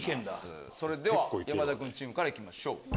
それでは山田君チームから行きましょう。